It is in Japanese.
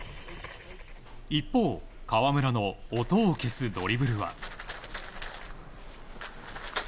一方、川村の音を消すドリブルは。